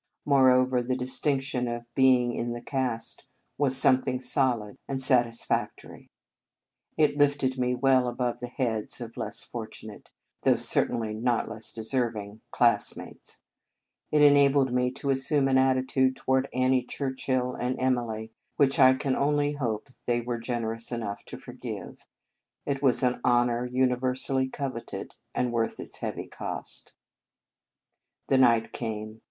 More over, the distinction of being in the cast was something solid and satis 58 The Convent Stage factory. It lifted me well above the heads of less fortunate, though cer tainly not less deserving, classmates. It enabled me to assume an attitude toward Annie Churchill and Emily which I can only hope they were generous enough to forgive. It was an honour universally coveted, and worth its heavy cost. The night came.